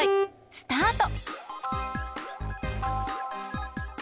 スタート！